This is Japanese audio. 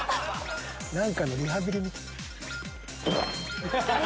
何かのリハビリみたい。